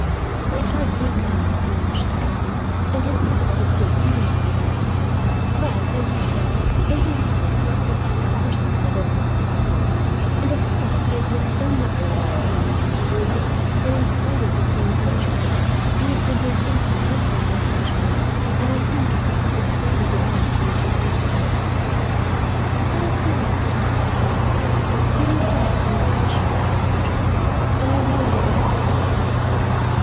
"They are big men, these English, Emilie; and his father is big, even among them. But, as you say, save in size Philip takes after our side rather than his father's; and of course he has mixed so much with our colony at Canterbury that, in spite of his being English bred, we have preserved in him something of the French manner, and I think his heart is fairly divided between the two countries." "Let us go in," the countess said. "You need rest and refreshment after your journey, and I long to have a quiet talk with you.